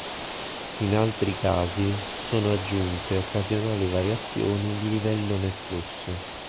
In altri casi sono aggiunte occasionali variazioni di livello nel flusso.